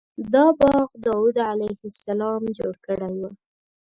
دا باغ داود علیه السلام جوړ کړی و.